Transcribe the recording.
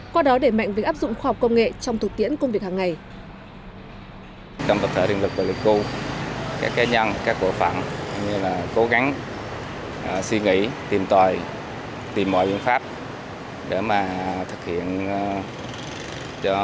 qua đó để mạnh việc áp dụng khoa học công nghệ trong thực tiễn công việc hàng ngày